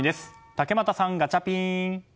竹俣さん、ガチャピン！